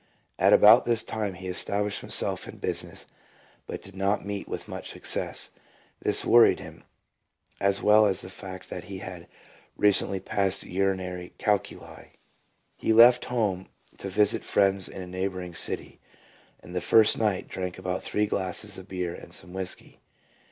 At about this time he established himself in business, but did not meet with much success. This worried him, as well as the fact that he had recently passed urinary calculi. He left home to visit friends in a neighbouring city, and the first night drank about three glasses of beer and some whisky.